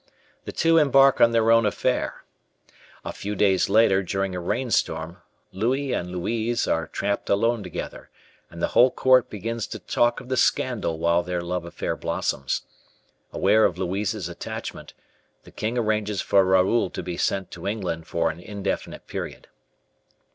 The two embark on their own affair. A few days later, during a rainstorm, Louis and Louise are trapped alone together, and the whole court begins to talk of the scandal while their love affair blossoms. Aware of Louise's attachment, the king arranges for Raoul to be sent to England for an indefinite period.